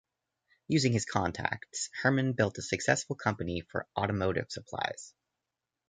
Using his contacts, Herrmann built a successful company for automotive supplies.